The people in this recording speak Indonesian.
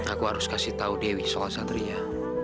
aku harus kasih tau dewi sol satria